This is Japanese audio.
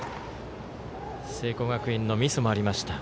聖光学院のミスもありました。